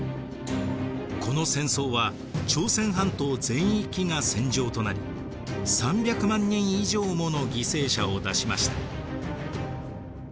この戦争は朝鮮半島全域が戦場となり３００万人以上もの犠牲者を出しました。